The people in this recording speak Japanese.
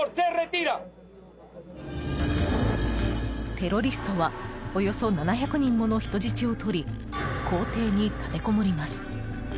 テロリストはおよそ７００人もの人質を取り公邸に立てこもります。